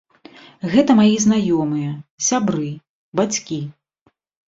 Гэта мае знаёмыя, сябры, бацькі.